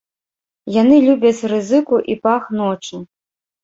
Яны любяць рызыку і пах ночы.